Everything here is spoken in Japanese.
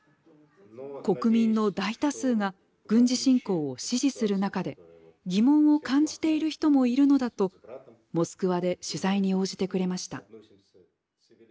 国民の大多数が軍事侵攻を支持する中で疑問を感じている人もいるのだとモスクワで取材に応じてくれました。